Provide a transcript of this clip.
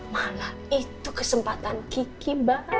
malah itu kesempatan kiki